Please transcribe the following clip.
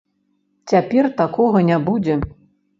Цяпер такога не будзе.